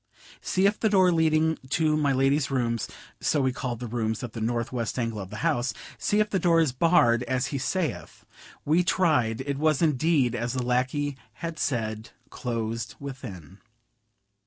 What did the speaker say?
See if the door leading to my lady's rooms," (so we called the rooms at the north west angle of the house,) "see if the door is barred as he saith." We tried; it was indeed as the lackey had said, closed within.